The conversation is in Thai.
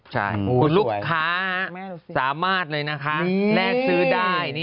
ใช่คุณลูกค้าสามารถเลยนะคะแลกซื้อได้